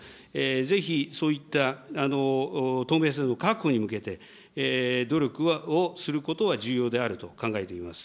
ぜひそういった透明性の確保に向けて、努力をすることは重要であると考えています。